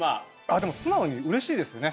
でも素直に嬉しいですね